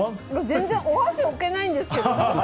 全然お箸置けないんですけど。